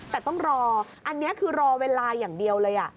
แต่ต้องรออันนี้คือรอเวลาอย่างเดียวเลย